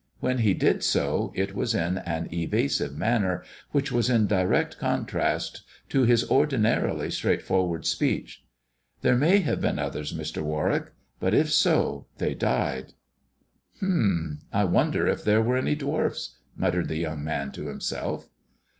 When he did so it was in an evasive manner, which was in direct contrast to his ordinarily straightforward speech. " There may have been others, Mr. Warwick ; but if so they died." " H'm I I wonder if there were any dwarfs ]" muttered the young man to himself.